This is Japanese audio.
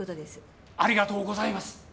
ありがとうございます！